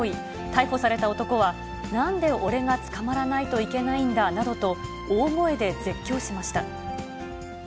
逮捕された男は、なんで俺が捕まらないといけないんだなどと、大声で絶叫しました。